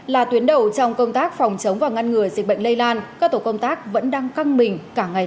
là tuyến đầu trong công tác phòng chống và ngăn ngừa dịch bệnh lây lan các tổ công tác vẫn đang căng bình